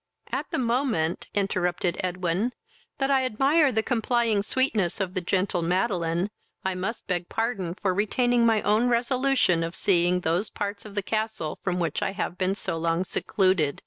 "At the moment (interrupted Edwin) that I admire the complying sweetness of the gentle Madeline, I must beg pardon for retaining my own resolution of seeing those parts of the castle from which I have been so long secluded.